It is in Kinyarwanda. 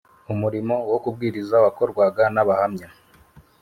umurimo wo kubwiriza wakorwaga n abahamya